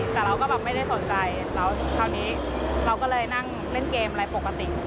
แต่เราก็แบบไม่ได้สนใจแล้วคราวนี้เราก็เลยนั่งเล่นเกมอะไรปกติ